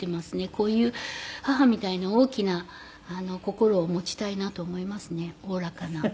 こういう母みたいな大きな心を持ちたいなと思いますね大らかな。